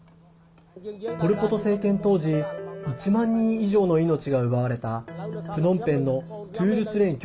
ポル・ポト政権当時１万人以上の命が奪われたプノンペンのトゥールスレン